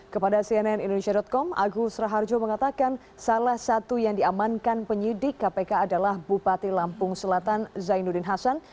kepada cnn indonesia com agus raharjo mengatakan salah satu yang diamankan penyidik kpk adalah bupati lampung selatan zainuddin hasan